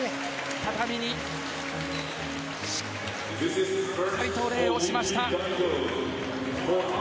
畳にしっかりと礼をしました。